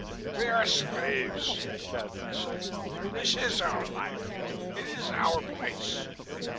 "We are slaves," Cadnan said. "This is our life. It is our place."